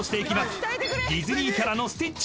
［ディズニーキャラのスティッチ］